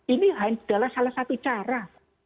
ini adalah salah satu cara